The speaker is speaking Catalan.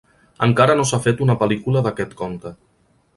Encara no s'ha fet una pel·lícula d'aquest conte.